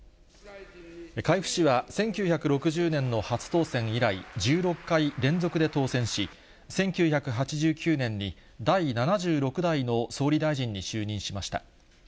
海部氏は１９６０年の初当選以来、１６回連続で当選し、１９８９年に第７６代の総理大臣に就任しました。